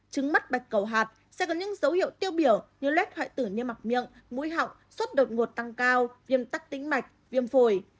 trứng mắt bạch cầu hạt sẽ có những dấu hiệu tiêu biểu như lét hoại tử như mặt miệng mũi họng suốt đột ngột tăng cao viêm tắc tính mạch viêm phổi